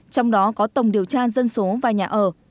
trong đó có tổng điều tra dân số và nhà ở